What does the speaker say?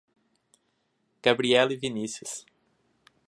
Gabriela e Vinícius